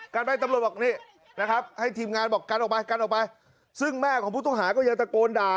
กันไปตำรวจบอกนี่นะครับให้ทีมงานบอกกันออกไปกันออกไปซึ่งแม่ของผู้ต้องหาก็ยังตะโกนด่า